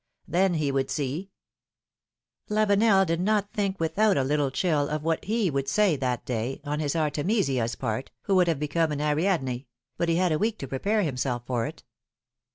Then he would see ! Lavenel did not think without a little chill of what he would see that day, on his Artemesia's part, who would have become an Ariadne — but he had a week to prepare himself for it.